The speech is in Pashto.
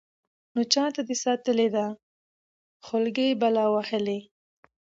نو چاته دې ساتلې ده خولكۍ بلا وهلې.